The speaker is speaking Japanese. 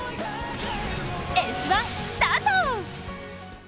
「Ｓ☆１」スタート！